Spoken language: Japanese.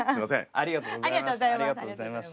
ありがとうございます。